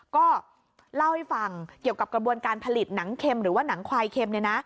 ก็เล่าให้ฟังเกี่ยวกับกระบวนการผลิตหนังเข็มหรือว่าหนังควายเค็ม